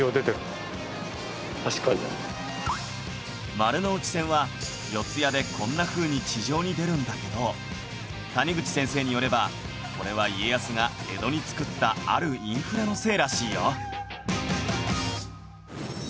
丸ノ内線は四谷でこんなふうに地上に出るんだけど谷口先生によればこれは家康が江戸につくったあるインフラのせいらしいよ